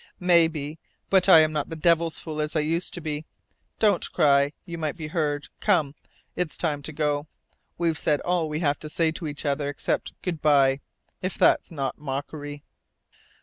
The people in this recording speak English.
"Maybe. But I'm not the devil's fool as I used to be. Don't cry. You might be heard. Come. It's time to go. We've said all we have to say to each other except good bye if that's not mockery."